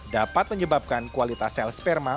dapat menyebabkan kualitas sel sperma